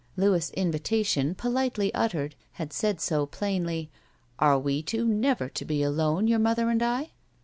Louis' invitation, politely uttered, had said so plainly, "Are we two never to be alone, your mother and I?"